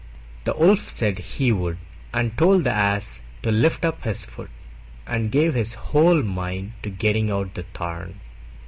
The Wolf said he would, and told the Ass to lift up his foot, and gave his whole mind to getting out the thorn.